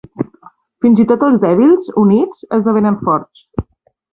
Fins i tot els dèbils, units, esdevenen forts.